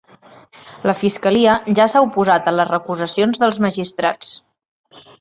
La fiscalia ja s’ha oposat a les recusacions dels magistrats.